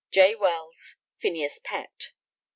J. WELLS. PHINEAS PETT.